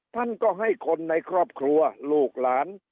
ท่านก็ให้คนในครอบครัวลูกหลาน